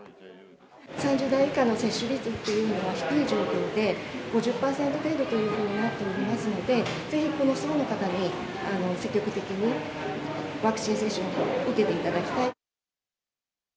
３０代以下の接種率っていうのは、低い状況で、５０％程度というふうになっておりますので、ぜひ、この層の方に積極的にワクチン接種を受けていただきたい。